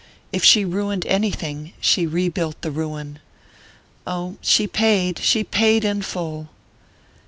If she ruined anything, she rebuilt the ruin. Oh, she paid she paid in full!"